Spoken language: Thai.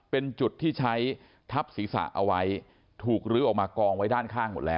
เป็นจุดที่ใช้ทับศีรษะเอาไว้ถูกลื้อออกมากองไว้ด้านข้างหมดแล้ว